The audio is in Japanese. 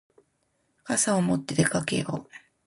傘を持って出かけよう。